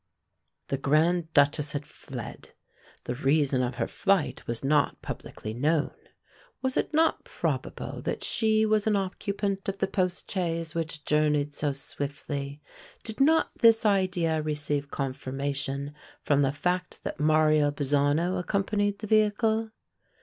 The Grand Duchess had fled: the reason of her flight was not publicly known. Was it not probable that she was an occupant of the post chaise which journeyed so swiftly? did not this idea receive confirmation from the fact that Mario Bazzano accompanied the vehicle?